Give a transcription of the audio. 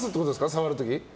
触る時。